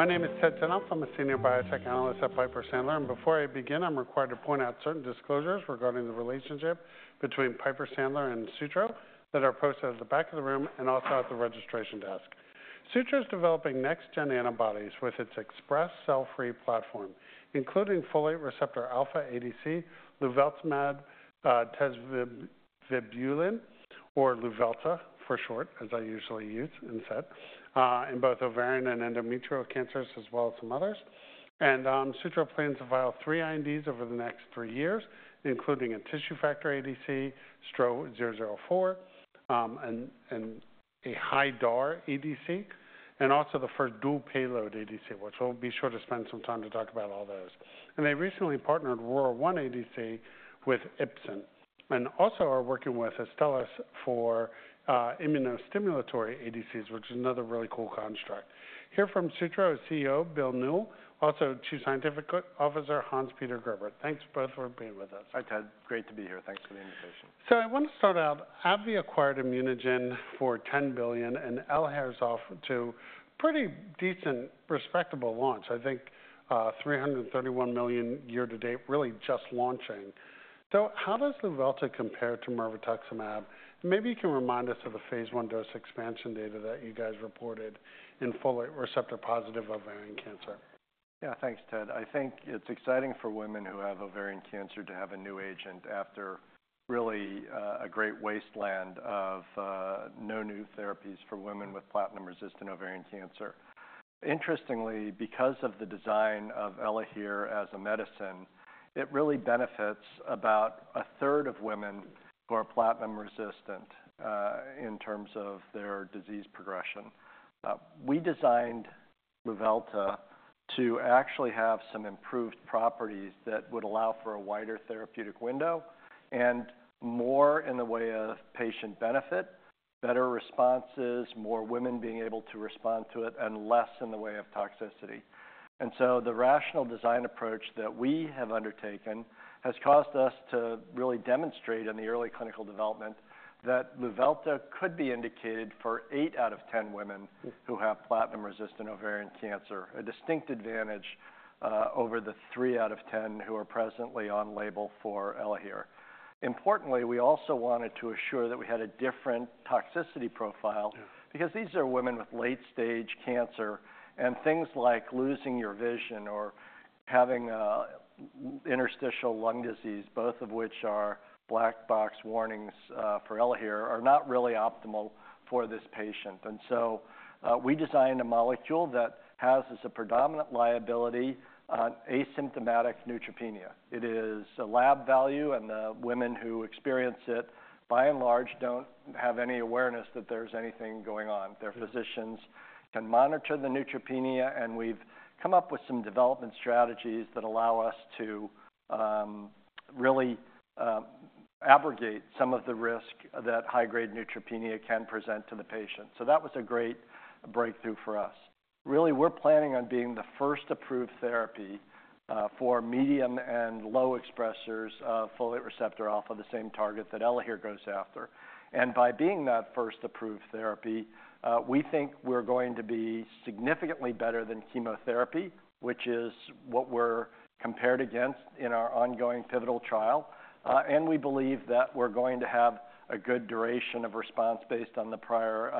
My name is Ted Tenthoff. I'm a Senior Biotech Analyst at Piper Sandler. Before I begin, I'm required to point out certain disclosures regarding the relationship between Piper Sandler and Sutro that are posted at the back of the room and also at the registration desk. Sutro is developing next-gen antibodies with its XpressCF cell-free platform, including Folate Receptor Alpha ADC, luveltamab tazevibulin, or Luvelta for short, as I usually use and said, in both ovarian and endometrial cancers, as well as some others. Sutro plans to file three INDs over the next three years, including a tissue factor ADC, STRO-004, and a high-DAR ADC, and also the first dual payload ADC, which we'll be sure to spend some time to talk about all those. They recently partnered ROR1 ADC with Ipsen and also are working with Astellas for immunostimulatory ADCs, which is another really cool construct. Here from Sutro is CEO Bill Newell, also Chief Scientific Officer Hans-Peter Gerber. Thanks both for being with us. Hi, Ted. Great to be here. Thanks for the invitation. So I want to start out. AbbVie acquired ImmunoGen for $10 billion and Elahere off to a pretty decent, respectable launch, I think $331 million year to date, really just launching. So how does Luvelta compare to mirvetuximab? And maybe you can remind us of the phase one dose expansion data that you guys reported in folate receptor positive ovarian cancer. Yeah, thanks, Ted. I think it's exciting for women who have ovarian cancer to have a new agent after really a great wasteland of no new therapies for women with platinum-resistant ovarian cancer. Interestingly, because of the design of Elahere as a medicine, it really benefits about a third of women who are platinum-resistant in terms of their disease progression. We designed Luvelta to actually have some improved properties that would allow for a wider therapeutic window and more in the way of patient benefit, better responses, more women being able to respond to it, and less in the way of toxicity. And so the rational design approach that we have undertaken has caused us to really demonstrate in the early clinical development that Luvelta could be indicated for eight out of 10 women who have platinum-resistant ovarian cancer, a distinct advantage over the three out of 10 who are presently on label for Elahere. Importantly, we also wanted to assure that we had a different toxicity profile because these are women with late-stage cancer, and things like losing your vision or having interstitial lung disease, both of which are black box warnings for Elahere, are not really optimal for this patient. And so we designed a molecule that has as a predominant liability asymptomatic neutropenia. It is a lab value, and the women who experience it, by and large, don't have any awareness that there's anything going on. Their physicians can monitor the neutropenia, and we've come up with some development strategies that allow us to really abrogate some of the risk that high-grade neutropenia can present to the patient. So that was a great breakthrough for us. Really, we're planning on being the first approved therapy for medium and low expressors of folate receptor alpha, the same target that Elahere goes after. And by being that first approved therapy, we think we're going to be significantly better than chemotherapy, which is what we're compared against in our ongoing pivotal trial. And we believe that we're going to have a good duration of response based on the prior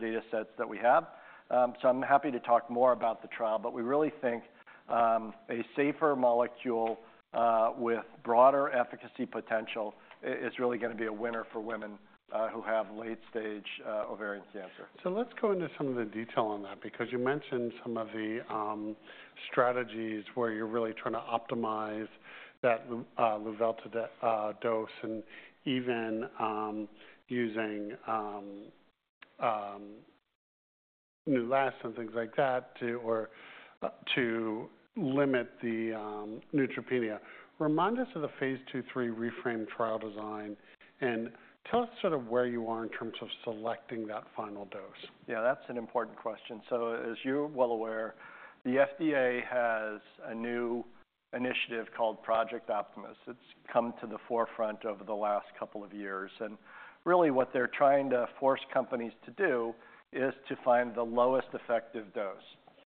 data sets that we have. So I'm happy to talk more about the trial, but we really think a safer molecule with broader efficacy potential is really going to be a winner for women who have late-stage ovarian cancer. So let's go into some of the detail on that because you mentioned some of the strategies where you're really trying to optimize that Luvelta dose and even using Neulasta and things like that to limit the neutropenia. Remind us of the phase 2/3 REFRaME trial design and tell us sort of where you are in terms of selecting that final dose. Yeah, that's an important question, so as you're well aware, the FDA has a new initiative called Project Optimus. It's come to the forefront over the last couple of years, and really, what they're trying to force companies to do is to find the lowest effective dose.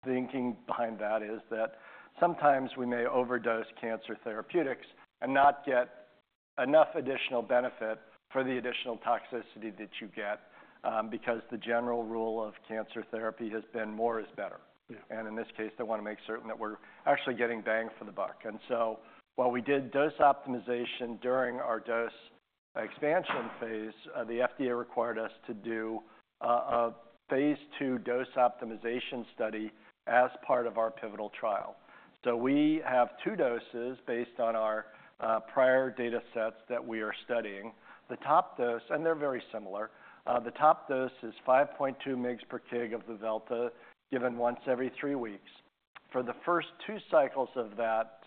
Thinking behind that is that sometimes we may overdose cancer therapeutics and not get enough additional benefit for the additional toxicity that you get because the general rule of cancer therapy has been more is better, and in this case, they want to make certain that we're actually getting bang for the buck, and so while we did dose optimization during our dose expansion phase, the FDA required us to do a phase two dose optimization study as part of our pivotal trial, so we have two doses based on our prior data sets that we are studying. The top dose, and they're very similar, the top dose is 5.2 mg/kg of Luvelta given once every three weeks. For the first two cycles of that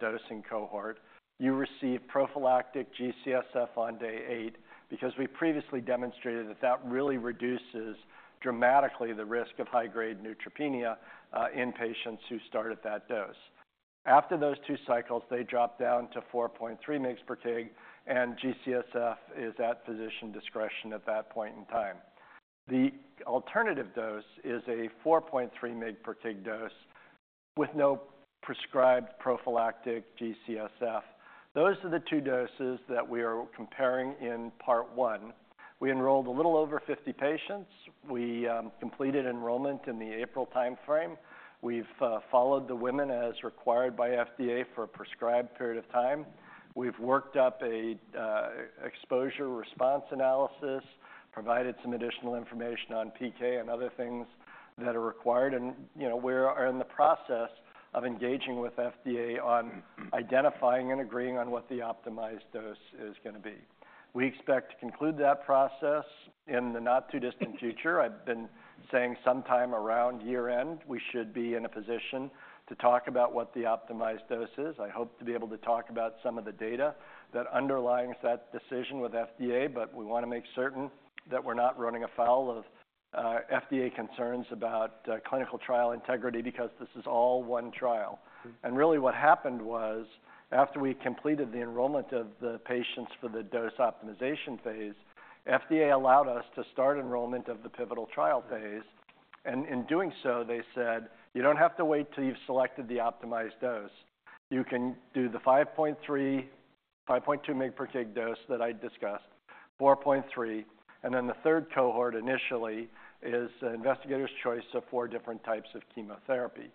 dosing cohort, you receive prophylactic G-CSF on day eight because we previously demonstrated that that really reduces dramatically the risk of high-grade neutropenia in patients who start at that dose. After those two cycles, they drop down to 4.3 mg/kg, and G-CSF is at physician discretion at that point in time. The alternative dose is a 4.3 mg/kg dose with no prescribed prophylactic G-CSF. Those are the two doses that we are comparing in part one. We enrolled a little over 50 patients. We completed enrollment in the April timeframe. We've followed the women as required by FDA for a prescribed period of time. We've worked up an exposure response analysis, provided some additional information on PK and other things that are required. We are in the process of engaging with FDA on identifying and agreeing on what the optimized dose is going to be. We expect to conclude that process in the not too distant future. I've been saying sometime around year-end, we should be in a position to talk about what the optimized dose is. I hope to be able to talk about some of the data that underlies that decision with FDA, but we want to make certain that we're not running afoul of FDA concerns about clinical trial integrity because this is all one trial. Really, what happened was after we completed the enrollment of the patients for the dose optimization phase, FDA allowed us to start enrollment of the pivotal trial phase. In doing so, they said, you don't have to wait till you've selected the optimized dose. You can do the 5.3, 5.2 mg/kg dose that I discussed, 4.3, and then the third cohort initially is investigators' choice of four different types of chemotherapy.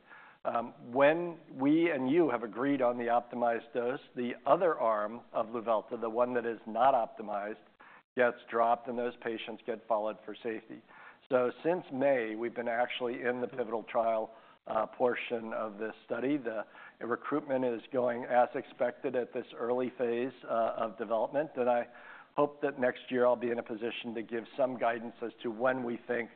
When we and you have agreed on the optimized dose, the other arm of Luvelta, the one that is not optimized, gets dropped, and those patients get followed for safety. So since May, we've been actually in the pivotal trial portion of this study. The recruitment is going as expected at this early phase of development. And I hope that next year I'll be in a position to give some guidance as to when we think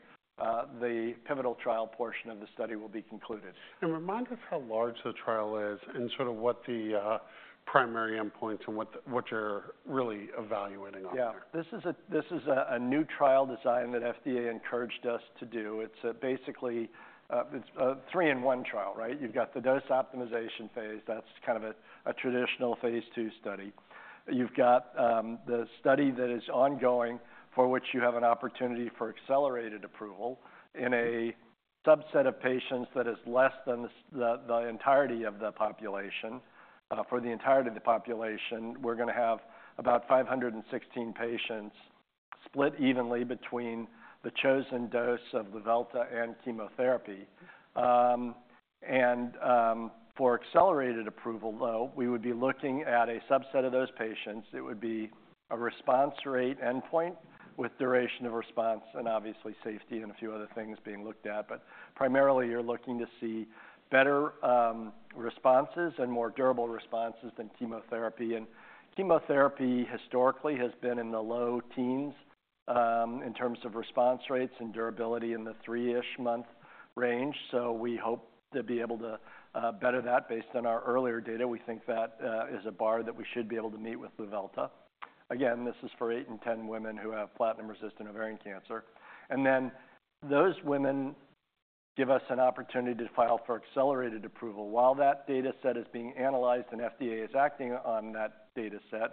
the pivotal trial portion of the study will be concluded. Remind us how large the trial is and sort of what the primary endpoints and what you're really evaluating on there? Yeah, this is a new trial design that FDA encouraged us to do. It's basically a three-in-one trial, right? You've got the dose optimization phase. That's kind of a traditional phase two study. You've got the study that is ongoing for which you have an opportunity for accelerated approval in a subset of patients that is less than the entirety of the population. For the entirety of the population, we're going to have about 516 patients split evenly between the chosen dose of Luvelta and chemotherapy. And for accelerated approval, though, we would be looking at a subset of those patients. It would be a response rate endpoint with duration of response and obviously safety and a few other things being looked at. But primarily, you're looking to see better responses and more durable responses than chemotherapy. Chemotherapy historically has been in the low teens in terms of response rates and durability in the three-ish month range. We hope to be able to better that based on our earlier data. We think that is a bar that we should be able to meet with Luvelta. Again, this is for eight and 10 women who have platinum-resistant ovarian cancer. Those women give us an opportunity to file for accelerated approval. While that data set is being analyzed and FDA is acting on that data set,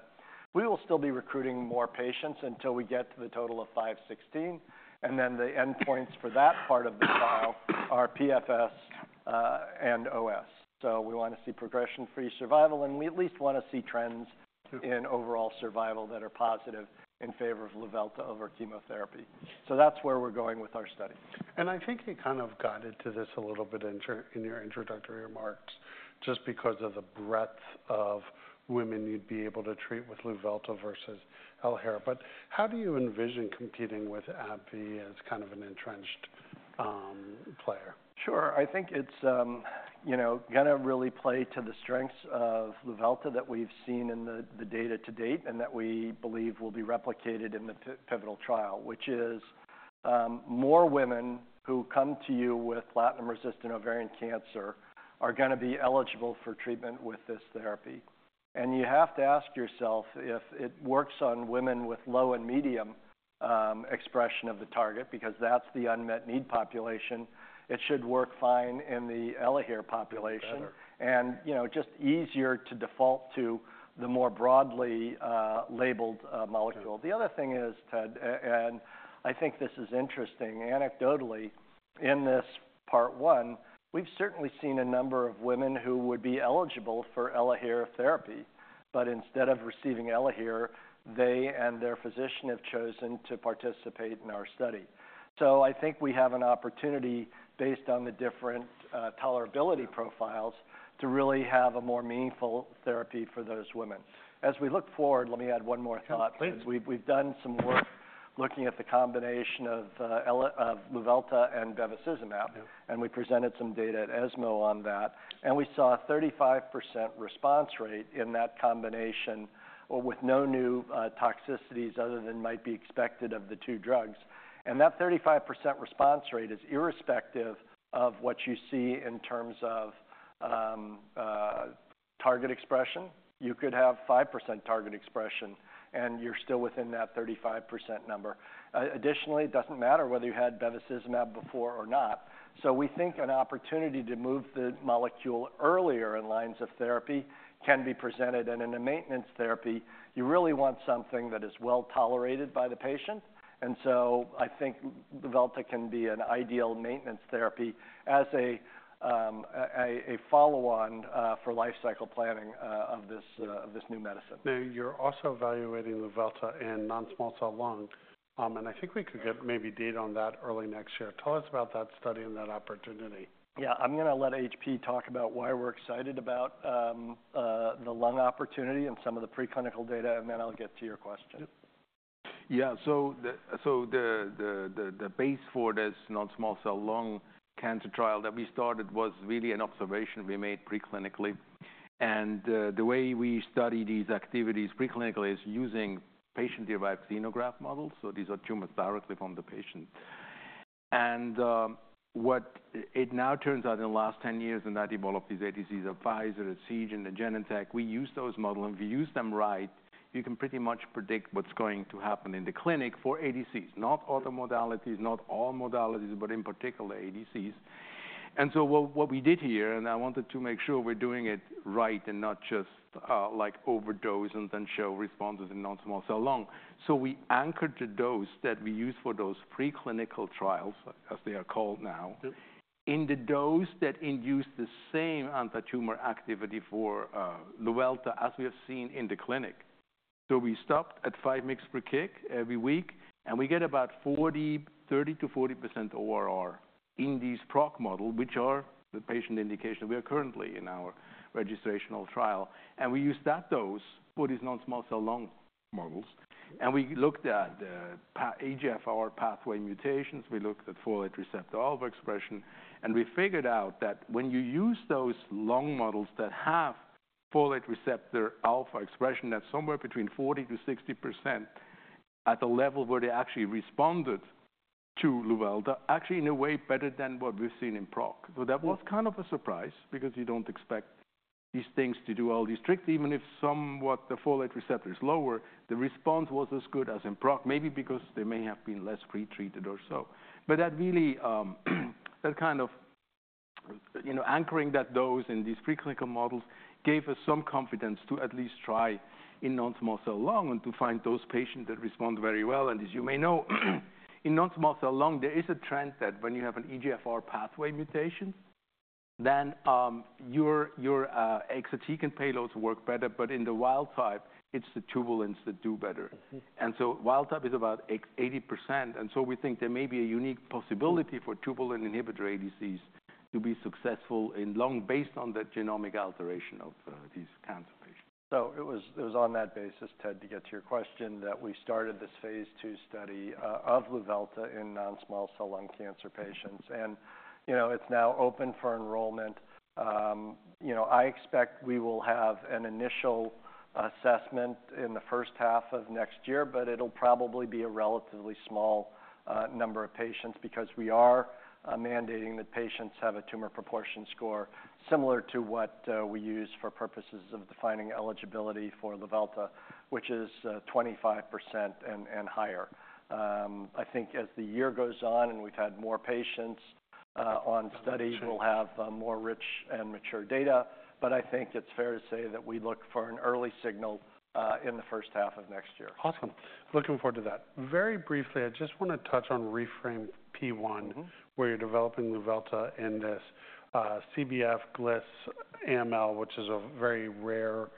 we will still be recruiting more patients until we get to the total of 516. The endpoints for that part of the trial are PFS and OS. We want to see progression-free survival, and we at least want to see trends in overall survival that are positive in favor of Luvelta over chemotherapy. That's where we're going with our study. I think you kind of got into this a little bit in your introductory remarks just because of the breadth of women you'd be able to treat with Luvelta versus Elahere. How do you envision competing with AbbVie as kind of an entrenched player? Sure. I think it's going to really play to the strengths of Luvelta that we've seen in the data to date and that we believe will be replicated in the pivotal trial, which is more women who come to you with platinum-resistant ovarian cancer are going to be eligible for treatment with this therapy. You have to ask yourself if it works on women with low and medium expression of the target because that's the unmet need population. It should work fine in the Elahere population and just easier to default to the more broadly labeled molecule. The other thing is, Ted, and I think this is interesting, anecdotally in this part one, we've certainly seen a number of women who would be eligible for Elahere therapy, but instead of receiving Elahere, they and their physician have chosen to participate in our study. So I think we have an opportunity based on the different tolerability profiles to really have a more meaningful therapy for those women. As we look forward, let me add one more thought. Yeah, please. We've done some work looking at the combination of Luvelta and bevacizumab, and we presented some data at ESMO on that, and we saw a 35% response rate in that combination with no new toxicities other than might be expected of the two drugs, and that 35% response rate is irrespective of what you see in terms of target expression. You could have 5% target expression, and you're still within that 35% number. Additionally, it doesn't matter whether you had bevacizumab before or not, so we think an opportunity to move the molecule earlier in lines of therapy can be presented, and in a maintenance therapy, you really want something that is well tolerated by the patient, and so I think Luvelta can be an ideal maintenance therapy as a follow-on for lifecycle planning of this new medicine. Now, you're also evaluating Luvelta in non-small cell lung, and I think we could get maybe data on that early next year. Tell us about that study and that opportunity. Yeah, I'm going to let HP talk about why we're excited about the lung opportunity and some of the preclinical data, and then I'll get to your question. Yeah, so the base for this non-small cell lung cancer trial that we started was really an observation we made preclinically. And the way we study these activities preclinically is using patient-derived xenograft models. So these are tumors directly from the patient. And what it now turns out in the last 10 years and that evolved these ADCs, Pfizer, Seagen, and Genentech, we use those models. If you use them right, you can pretty much predict what's going to happen in the clinic for ADCs, not other modalities, not all modalities, but in particular ADCs. And so what we did here, and I wanted to make sure we're doing it right and not just like overdose and then show responses in non-small cell lung, so we anchored the dose that we use for those preclinical trials, as they are called now, in the dose that induced the same anti-tumor activity for Luvelta as we have seen in the clinic. So we stopped at 5 mg/kg every week, and we get about 30%-40% ORR in these PROC models, which are the patient indication we are currently in our registrational trial. And we used that dose for these non-small cell lung models. And we looked at EGFR pathway mutations. We looked at folate receptor alpha expression, and we figured out that when you use those lung models that have folate receptor alpha expression, that's somewhere between 40%-60% at the level where they actually responded to Luvelta, actually in a way better than what we've seen in PROC. So that was kind of a surprise because you don't expect these things to do all these tricks. Even if somewhat the folate receptor is lower, the response was as good as in PROC, maybe because they may have been less pretreated or so. But that really, that kind of anchoring that dose in these preclinical models gave us some confidence to at least try in non-small cell lung and to find those patients that respond very well. As you may know, in non-small cell lung, there is a trend that when you have an EGFR pathway mutation, then your exatecan payloads work better, but in the wild type, it's the tubulins that do better. Wild type is about 80%. We think there may be a unique possibility for tubulin inhibitor ADCs to be successful in lung based on the genomic alteration of these cancer patients. So it was on that basis, Ted, to get to your question that we started this phase two study of Luvelta in non-small cell lung cancer patients. And it's now open for enrollment. I expect we will have an initial assessment in the first half of next year, but it'll probably be a relatively small number of patients because we are mandating that patients have a tumor proportion score similar to what we use for purposes of defining eligibility for Luvelta, which is 25% and higher. I think as the year goes on and we've had more patients on study, we'll have more rich and mature data. But I think it's fair to say that we look for an early signal in the first half of next year. Awesome. Looking forward to that. Very briefly, I just want to touch on REFRaME-P1 where you're developing Luvelta in this CBF/GLIS AML, which is a very rare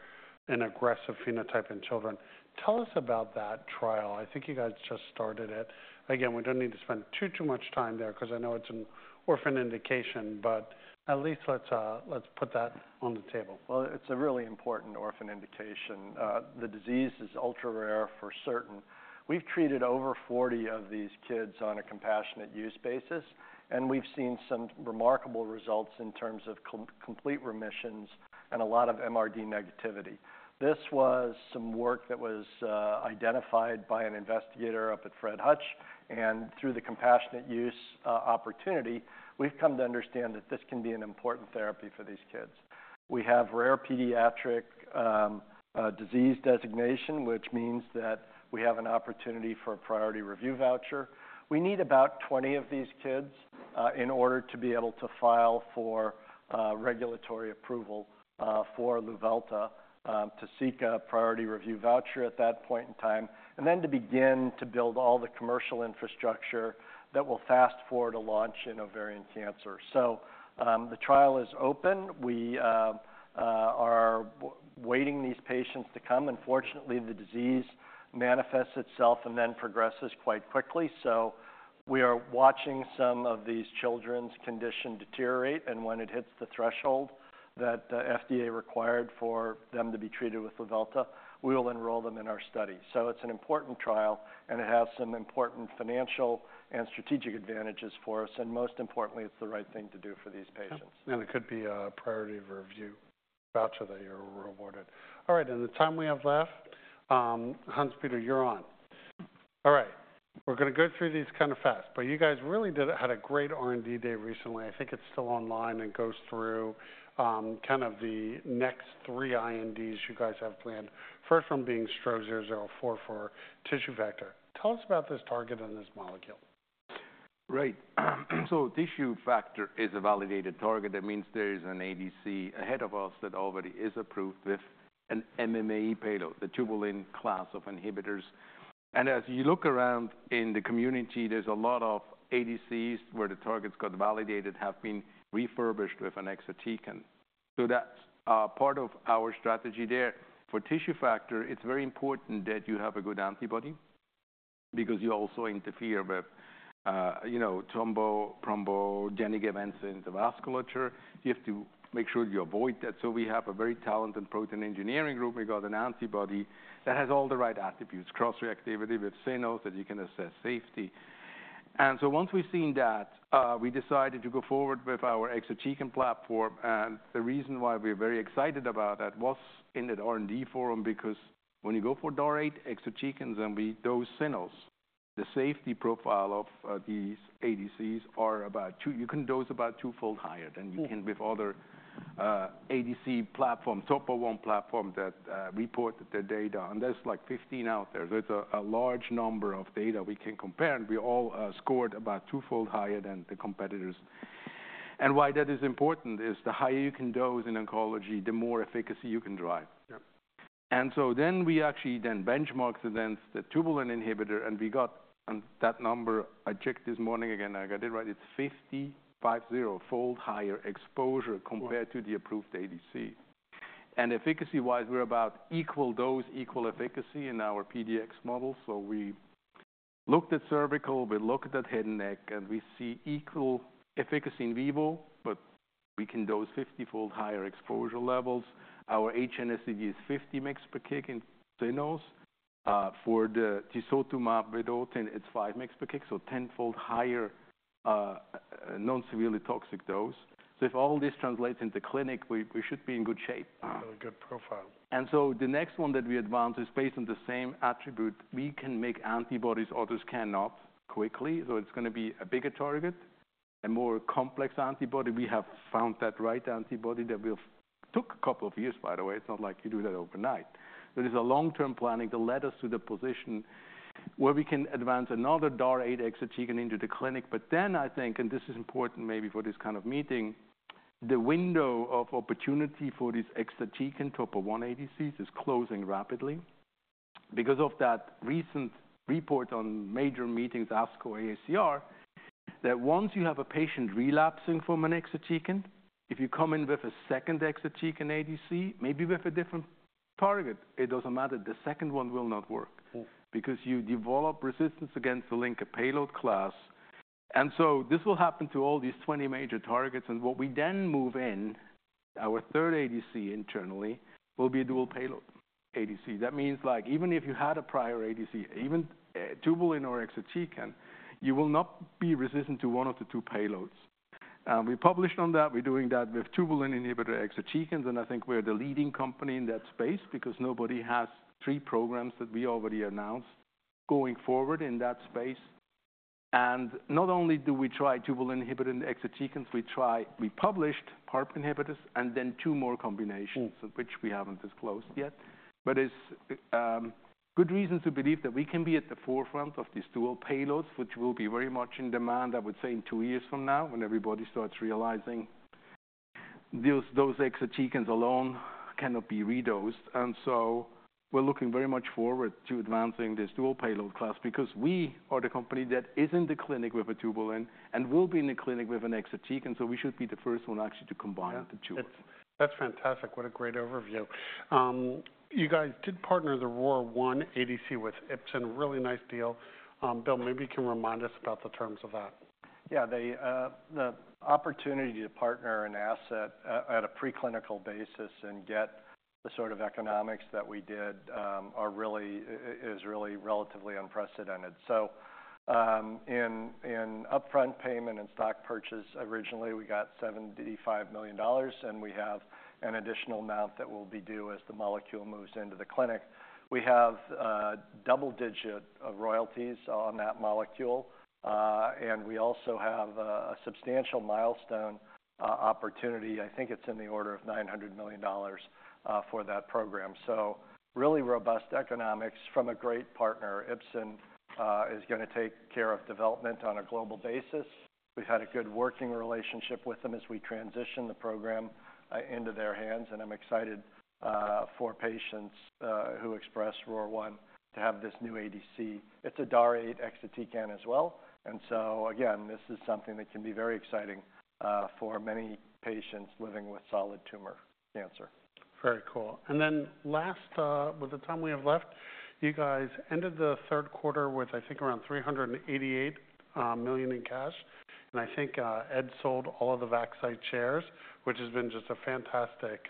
and aggressive phenotype in children. Tell us about that trial. I think you guys just started it. Again, we don't need to spend too, too much time there because I know it's an orphan indication, but at least let's put that on the table. It's a really important orphan indication. The disease is ultra rare for certain. We've treated over 40 of these kids on a compassionate use basis, and we've seen some remarkable results in terms of complete remissions and a lot of MRD negativity. This was some work that was identified by an investigator up at Fred Hutch. Through the compassionate use opportunity, we've come to understand that this can be an important therapy for these kids. We have rare pediatric disease designation, which means that we have an opportunity for a priority review voucher. We need about 20 of these kids in order to be able to file for regulatory approval for Luvelta to seek a priority review voucher at that point in time, and then to begin to build all the commercial infrastructure that will fast forward a launch in ovarian cancer. The trial is open. We are waiting these patients to come. Unfortunately, the disease manifests itself and then progresses quite quickly. So we are watching some of these children's condition deteriorate. And when it hits the threshold that the FDA required for them to be treated with Luvelta, we will enroll them in our study. So it's an important trial, and it has some important financial and strategic advantages for us. And most importantly, it's the right thing to do for these patients. It could be a priority review voucher that you're rewarded. All right, in the time we have left, Hans-Peter, you're on. All right, we're going to go through these kind of fast, but you guys really had a great R&D day recently. I think it's still online and goes through kind of the next three INDs you guys have planned, first one being STRO-004 for tissue factor. Tell us about this target and this molecule. Right. So tissue factor is a validated target. That means there's an ADC ahead of us that already is approved with an MMAE payload, the tubulin class of inhibitors. And as you look around in the community, there's a lot of ADCs where the targets got validated have been refurbished with an exatecan. So that's part of our strategy there. For tissue factor, it's very important that you have a good antibody because you also interfere with thrombogenic events in the vasculature. You have to make sure you avoid that. So we have a very talented protein engineering group. We got an antibody that has all the right attributes, cross-reactivity with cynos that you can assess safety. And so once we've seen that, we decided to go forward with our exatecan platform. The reason why we're very excited about that was in the R&D forum because when you go for DAR8 exatecan and we dose cynos, the safety profile of these ADCs are about twofold. You can dose about twofold higher than you can with other ADC platform, Topo I platform that report the data. And there's like 15 out there. So it's a large number of data we can compare. And we all scored about twofold higher than the competitors. And why that is important is the higher you can dose in oncology, the more efficacy you can drive. And so then we actually then benchmarked against the tubulin inhibitor, and we got that number. I checked this morning again. I got it right. It's 55-fold higher exposure compared to the approved ADC. And efficacy-wise, we're about equal dose, equal efficacy in our PDX model. So we looked at cervical, we looked at head and neck, and we see equal efficacy in vivo, but we can dose 50-fold higher exposure levels. Our HNSTD is 50 mg/kg in cynos. For the tisotumab vedotin, it's 5 mg/kg, so 10-fold higher non-severely toxic dose. So if all this translates into clinic, we should be in good shape. Really good profile. And so the next one that we advanced is based on the same attribute. We can make antibodies others cannot quickly. So it's going to be a bigger target, a more complex antibody. We have found that right antibody that took a couple of years, by the way. It's not like you do that overnight. So there's a long-term planning to lead us to the position where we can advance another DAR8 Exatecan into the clinic. But then I think, and this is important maybe for this kind of meeting, the window of opportunity for these exatecan Topo I ADCs is closing rapidly because of that recent report on major meetings, ASCO, AACR, that once you have a patient relapsing from an exatecan, if you come in with a second exatecan ADC, maybe with a different target, it doesn't matter, the second one will not work because you develop resistance against the linker payload class. And so this will happen to all these 20 major targets. And what we then move in, our third ADC internally will be a dual payload ADC. That means like even if you had a prior ADC, even tubulin or exatecan, you will not be resistant to one of the two payloads. We published on that. We're doing that with tubulin inhibitor exatecans. And I think we're the leading company in that space because nobody has three programs that we already announced going forward in that space. And not only do we try tubulin inhibitor exatecan, we try. We published PARP inhibitors and then two more combinations, which we haven't disclosed yet. But it's good reason to believe that we can be at the forefront of these dual payloads, which will be very much in demand, I would say, in two years from now when everybody starts realizing those exatecan alone cannot be redosed. And so we're looking very much forward to advancing this dual payload class because we are the company that is in the clinic with a tubulin and will be in the clinic with an exatecan. So we should be the first one actually to combine the two of them. That's fantastic. What a great overview. You guys did partner the ROR1 ADC with Ipsen, really nice deal. Bill, maybe you can remind us about the terms of that. Yeah, the opportunity to partner an asset at a preclinical basis and get the sort of economics that we did is really relatively unprecedented. So in upfront payment and stock purchase, originally we got $75 million, and we have an additional amount that will be due as the molecule moves into the clinic. We have double-digit royalties on that molecule. And we also have a substantial milestone opportunity. I think it's in the order of $900 million for that program. So really robust economics from a great partner. Ipsen is going to take care of development on a global basis. We've had a good working relationship with them as we transition the program into their hands. And I'm excited for patients who express ROR1 to have this new ADC. It's a DAR8 exatecan as well. Again, this is something that can be very exciting for many patients living with solid tumor cancer. Very cool. And then last, with the time we have left, you guys ended the third quarter with, I think, around $388 million in cash. And I think Ed sold all of the Vaxcyte shares, which has been just a fantastic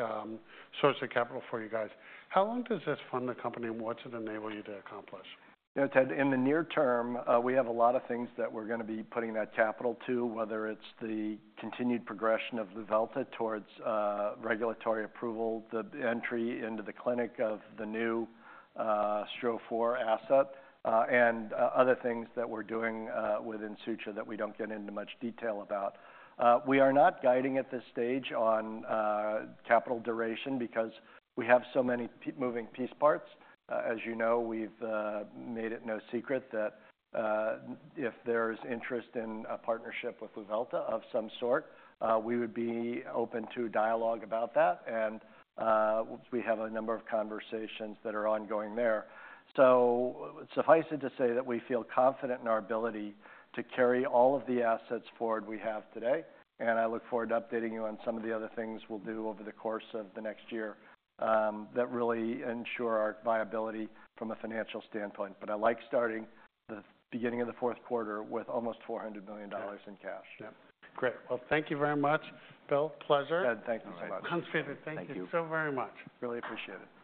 source of capital for you guys. How long does this fund the company and what's it enable you to accomplish? Yeah, Ted, in the near term, we have a lot of things that we're going to be putting that capital to, whether it's the continued progression of Luvelta towards regulatory approval, the entry into the clinic of the new STRO-004 asset, and other things that we're doing in-house that we don't get into much detail about. We are not guiding at this stage on capital duration because we have so many moving piece parts. As you know, we've made it no secret that if there is interest in a partnership with Luvelta of some sort, we would be open to dialogue about that. And we have a number of conversations that are ongoing there. So suffice it to say that we feel confident in our ability to carry all of the assets forward we have today. And I look forward to updating you on some of the other things we'll do over the course of the next year that really ensure our viability from a financial standpoint. But I like starting the beginning of the fourth quarter with almost $400 million in cash. Yep. Great. Well, thank you very much, Bill. Pleasure. Ted, thank you so much. Hans-Peter, thank you so very much. Really appreciate it.